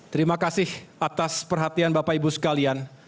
terima kasih atas perhatian bapak ibu sekalian